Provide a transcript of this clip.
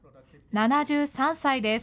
７３歳です。